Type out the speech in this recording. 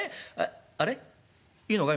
ああれ？いいのかい？